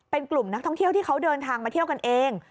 เป็นกลุ่มนักท่องเที่ยวที่เขาเดินทางมาเที่ยวกันเอง